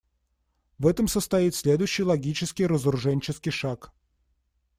В этом состоит следующий логический разоруженческий шаг.